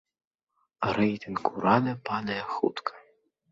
Рэйтынг урада падае хутка.